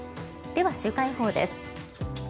では、週間予報です。